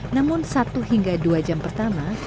namun satu hingga dua jam pertama